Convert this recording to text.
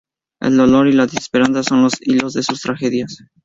El dolor y la desesperanza son los hilos de sus tragedias.